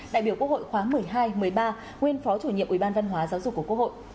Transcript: đại biểu quốc hội khóa một mươi hai một mươi ba nguyên phó chủ nhiệm ubv giáo dục của quốc hội